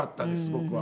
僕は。